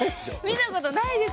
見たことないです